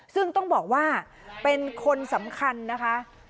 ซึ่งต้องบอกว่าเป็นคนสำคัญนะคะ